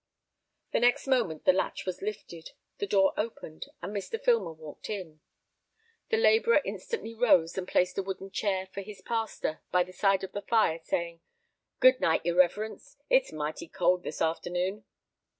The next moment the latch was lifted, the door opened, and Mr. Filmer walked in. The labourer instantly rose and placed a wooden chair for his pastor by the side of the fire, saying, "Good night, your reverence! It's mighty cold this afternoon."